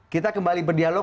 kita kembali berdialog